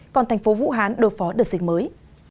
còn thành phố vũ hán đối phó đợt dịch mới